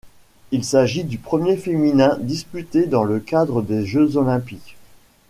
Il s'agit du premier féminin disputé dans le cadre des Jeux olympiques.